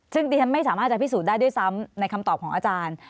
ซึ่งดิฉันไม่สามารถจะพิสูจน์ได้ด้วยซ้ำในคำตอบของอาจารย์